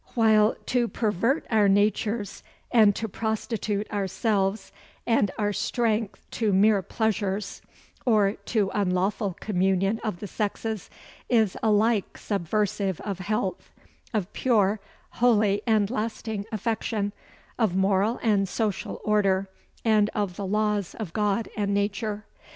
While to pervert our natures, and to prostitute ourselves, and our strength to mere pleasures, or to unlawful communion of the sexes, is alike subversive of health, of pure, holy and lasting affection; of moral and social order; and of the laws of God and nature.